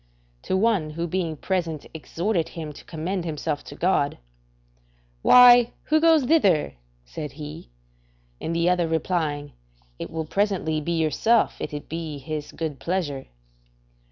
To one who being present exhorted him to recommend himself to God: "Why, who goes thither?" said he; and the other replying: "It will presently be yourself, if it be His good pleasure."